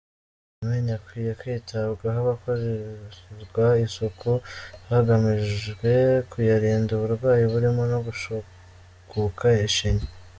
Amenyo akwiye kwitabwaho agakorerwa isuku, hagamijwe kuyarinda uburwayi burimo no gucukuka ishinya.